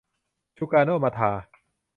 ซูการ์โน มะทา